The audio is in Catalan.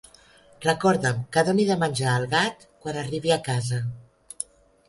Recorda'm que doni de menjar al gat quan arribi a casa.